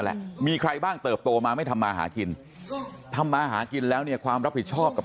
แหละมีใครบ้างเติบโตมาไม่ทำมาหากินทำมาหากินแล้วเนี่ยความรับผิดชอบกับ